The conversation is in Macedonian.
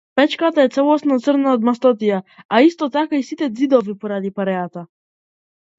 Печката е целосно црна од маснотија, а исто така и сите ѕидови поради пареата.